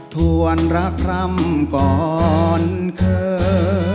ถ้วนรักรำก่อนเคย